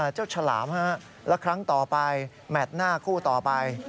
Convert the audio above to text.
ฉลามและครั้งต่อไปแมทหน้าคู่ต่อไป